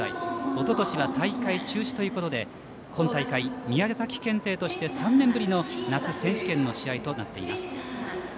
おととしは大会中止ということで今大会、宮崎県勢として３年ぶりの夏選手権の試合になっています。